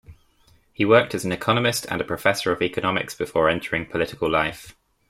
He worked as an economist and a professor of economics before entering political life.